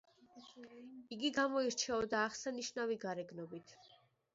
იგი გამოირჩეოდა აღსანიშნავი გარეგნობით.